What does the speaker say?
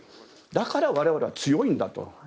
だから、我々は強いんだと。